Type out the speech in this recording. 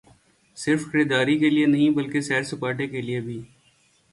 صرف خریداری کیلئے نہیں بلکہ سیر سپاٹے کیلئے بھی۔